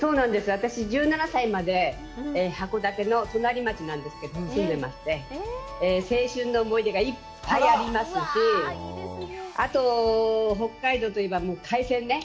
私、１７歳まで、函館の隣町なんですけど、住んでまして、青春の思い出がいっぱいありますし、あと、北海道といえば、海鮮ね。